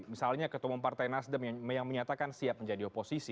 misalnya ketemu partai nasdem yang menyatakan siap menjadi oposisi